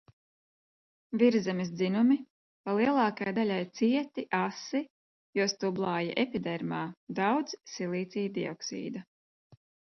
Virszemes dzinumi pa lielākai daļai cieti, asi, jo stublāja epidermā daudz silīcija dioksīda.